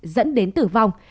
dẫn đến tử vong